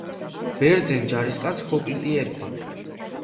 ბერძენ ჯარისკაცს ჰოპლიტი ერქვა.